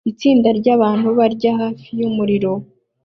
Itsinda ryabantu barya hafi yumuriro